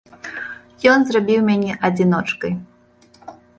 Ён зрабіў мяне адзіночкай.